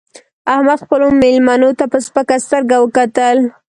احمد خپلو مېلمنو ته په سپکه سترګه وکتل